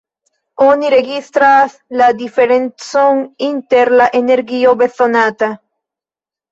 Oni registras la diferencon inter la energio bezonata.